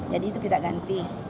jadi itu kita ganti